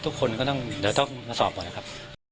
ทุกคนก็ต้องสอบหมดนะครับ